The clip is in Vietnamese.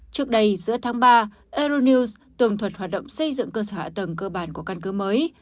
trước đây giữa tháng ba aero news tường thuật hoạt động xây dựng cơ sở hạ tầng cơ bản của căn cứ mới